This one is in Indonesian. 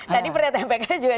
tadi pernyataan pks juga